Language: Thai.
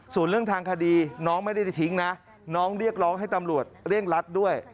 ส่วนเรื่องทางคดีน้องไม่ได้ทิ้งนะน้องเรียกร้องให้ตำรวจเร่งรัดด้วย